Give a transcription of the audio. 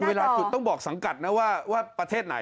เวลาจุดต้องบอกสังกัดนะว่าประเทศไหน